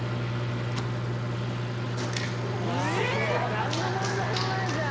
何の問題もないじゃん。